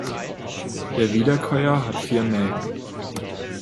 Der Wiederkäuer hat vier Mägen.